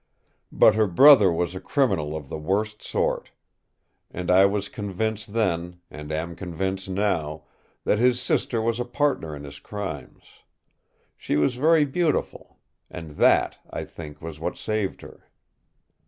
"But her brother was a criminal of the worst sort. And I was convinced then, and am convinced now, that his sister was a partner in his crimes. She was very beautiful. And that, I think, was what saved her."